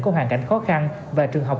có hoàn cảnh khó khăn và trường học